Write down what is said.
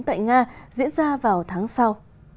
tại nga diễn ra vào tháng sau